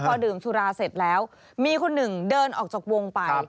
พอดื่มสุราเสร็จแล้วมีคนหนึ่งเดินออกจากวงไป